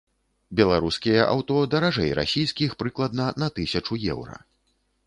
Беларускія аўто даражэй расійскіх прыкладна на тысячу еўра.